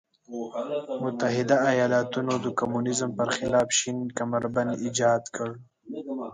متحده ایالتونو د کمونیزم پر خلاف شین کمربند ایجاد کړ.